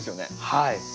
はい。